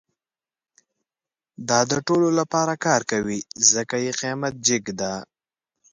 دا د ټولو لپاره کار کوي، ځکه یې قیمت جیګ ده